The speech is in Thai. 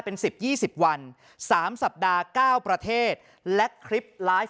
เป็นสิบยี่สิบวันสามสัปดาห์เก้าประเทศและคลิปลาย